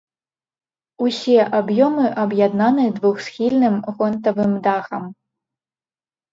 Усе аб'ёмы аб'яднаны двухсхільным гонтавым дахам.